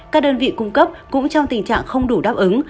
các đơn vị cung cấp cũng trong tình trạng không đủ đáp ứng